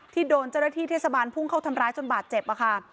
โดนเจ้าหน้าที่เทศบาลพุ่งเข้าทำร้ายจนบาดเจ็บค่ะ